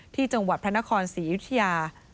ที่จังหวัดพระนครศรีอยุธยา